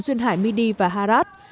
duyên hải midi và harad